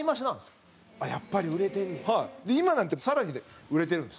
今なんて更にね、売れてるんです。